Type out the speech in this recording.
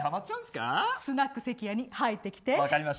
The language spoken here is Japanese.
スナック関谷に入ってきて。